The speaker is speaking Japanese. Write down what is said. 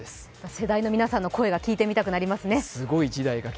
世代の皆さんの声が聞いてみたくなりますね。